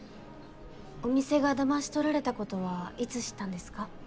お店が騙し取られたことはいつ知ったんですか？